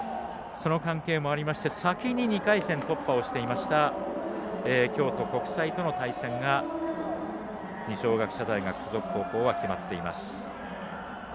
その関係もありまして先に２回戦突破していました京都国際との対戦が二松学舎大付属高校は決まっています。